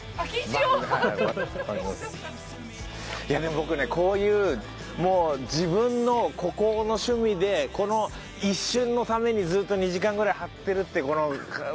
いやでも僕ねこういうもう自分の孤高の趣味でこの一瞬のためにずっと２時間ぐらい張ってるってこの。